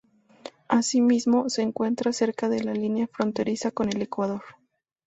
Asimismo, se encuentra cerca de la línea fronteriza con el Ecuador.